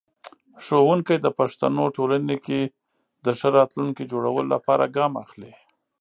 ښوونکی د پښتنو ټولنې کې د ښه راتلونکي جوړولو لپاره ګام اخلي.